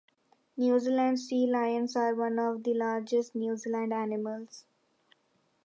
New Zealand sea lions are one of the largest New Zealand animals.